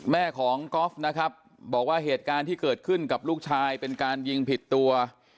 แม่ของก๊อฟนะครับบอกว่าเหตุการณ์ที่เกิดขึ้นกับลูกชายเป็นการยิงผิดตัว